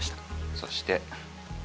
そして。